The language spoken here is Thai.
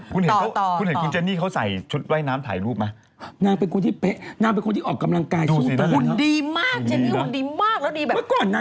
คนดำคนเขาชมเสื้อทำมาหลายหลายเลยนะ